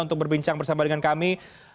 untuk berbincang bersama dengan kami